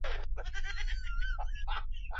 Watoka upande gani ya nchi hii?